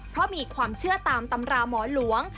เพราะมีความเชื่อตามตำราหมอหลวง